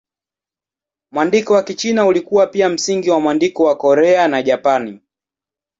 Mwandiko wa Kichina ulikuwa pia msingi wa mwandiko wa Korea na Japani.